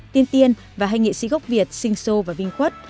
tiên tiên và hai nghệ sĩ gốc việt sinh sô và vinh khuất